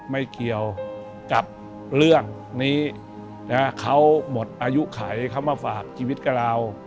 ไม่เกี่ยวกับเรื่องนี้เขาหมดอายุไขเขามาฝากชีวิตกับเรา